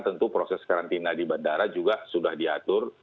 tentu proses karantina di bandara juga sudah diatur